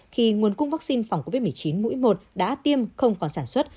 khi nguồn cung vaccine phòng covid một mươi chín mũi một đã tiêm không còn sản xuất